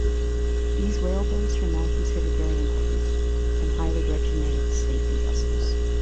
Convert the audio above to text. These whaleboats are now considered very important, and highly regimented safety vessels.